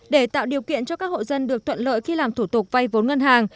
để tạo điều kiện cho các hộ dân được tuận lợi khi làm thủ tục vay bốn ngân hàng